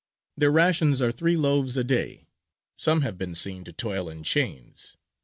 Their rations are three loaves a day. Some have been seen to toil in chains.